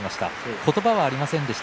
言葉はありませんでした。